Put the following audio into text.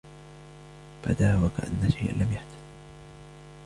بدى و كأن شيئا لم يحدث.